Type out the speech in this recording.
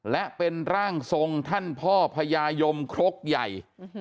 และเป็นร่างทรงท่านพ่อพญายมครกใหญ่